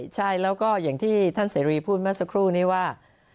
ใช่แล้วก็อย่างที่ท่านเสรีพูดเมื่อสักครู่นี้ว่า